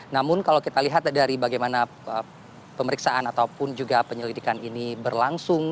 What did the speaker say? namun kalau kita lihat dari bagaimana pemeriksaan ataupun juga penyelidikan ini berlangsung